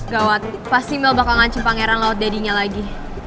gawat pasti mel bakal ngancin pangeran lo at dadinya lagi